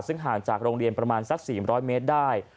ซึ่งห่างจากโรงเรียนประมาณสัก๔๐๐เมตรได้